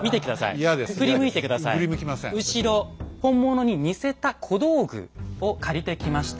本物に似せた小道具を借りてきました。